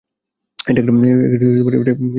এটা একটা ফালতু প্ল্যান।